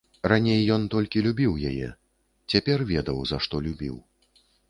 Раней ён толькі любіў яе, цяпер ведаў, за што любіў.